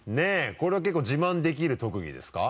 これは結構自慢できる特技ですか？